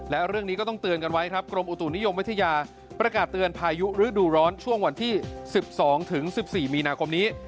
และเรื่องนี้ก็ต้องเตือนกันไว้ครับกรมอุตุนิยมวิทยาประกาศเตือนพายุฤดูร้อนช่วงวันที่๑๒๑๔มีนาคมนี้